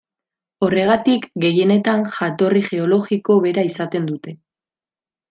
Horregatik, gehienetan jatorri geologiko bera izaten dute.